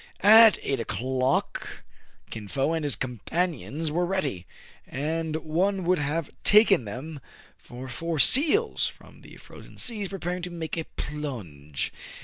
At eight o'clock Kin Fo and his companions were ready ; and one would have taken them for four seals from the frozen seas preparing to make a plunge.